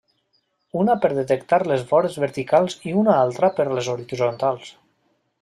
Una per detectar les vores verticals i una altra per als horitzontals.